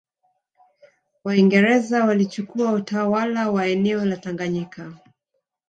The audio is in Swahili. Waingereza walichukua utawala wa eneo la Tanganyika